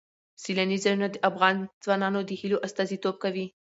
سیلانی ځایونه د افغان ځوانانو د هیلو استازیتوب کوي.